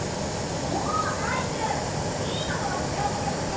おおタイイクいいところに目をつけたね。